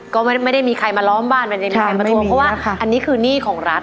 ก็ไม่ได้มีใครมาล้อมบ้านไม่ได้มีใครมาทวงเพราะว่าอันนี้คือหนี้ของรัฐ